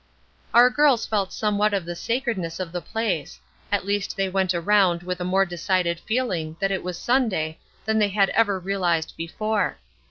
Our girls felt somewhat of the sacredness of the place; at least they went around with a more decided feeling that it was Sunday than they had ever realized before.